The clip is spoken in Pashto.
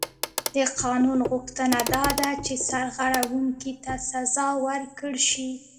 د قانون غوښتنه دا ده چې سرغړونکي ته سزا ورکړل شي.